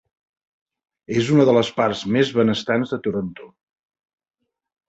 És una de les parts més benestants de Toronto.